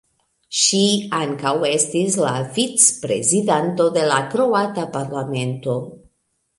Ŝi ankaŭ estis la vicprezidanto de la Kroata Parlamento.